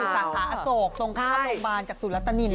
เขาทำอยู่สถาะอโศกตรงข้ามโรงพยาบาลจากศูนย์รัตนิน